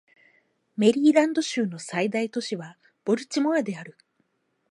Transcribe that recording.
メリーランド州の最大都市はボルチモアである